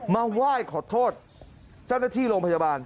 มาไหว้ขอโทษเจ้าหน้าที่โรงพยาบาล